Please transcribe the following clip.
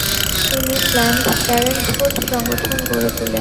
তিনি planned parenthood সংগঠন গড়ে তুলেন।